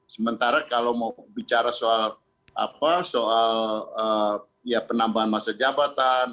sementara kalau mau bicara soal ya penambahan masa jabatan